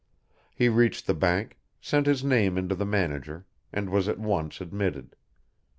He reached the bank, sent his name into the manager, and was at once admitted.